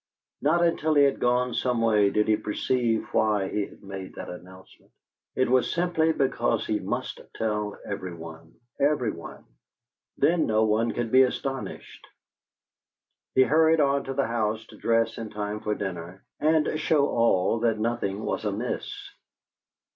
Not until he had gone some way did he perceive why he had made that announcement. It was simply because he must tell everyone, everyone; then no one could be astonished. He hurried on to the house to dress in time for dinner, and show all that nothing was amiss.